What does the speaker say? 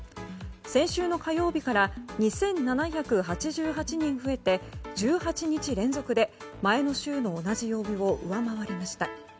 先週の火曜日から２７８８人増えて１８日連続で前の週の同じ曜日を上回りました。